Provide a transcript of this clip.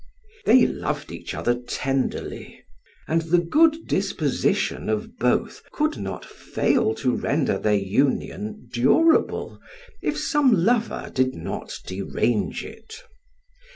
They loved each other tenderly, and the good disposition of both could not fail to render their union durable, if some lover did not derange it.